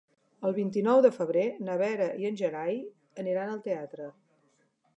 El vint-i-nou de febrer na Vera i en Gerai aniran al teatre.